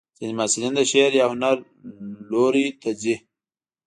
ځینې محصلین د شعر یا هنر لوري ته ځي.